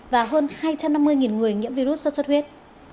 và hơn hai trăm năm mươi người nhiễm virus do suất huyết